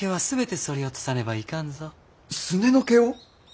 すねの毛を！？